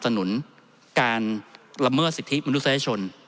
ท่านประธานครับนี่คือสิ่งที่สุดท้ายของท่านครับ